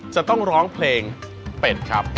จะต้องร้องเพลงเป็ดครับ